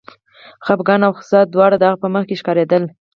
خپګان او غوسه دواړه د هغه په مخ کې ښکارېدل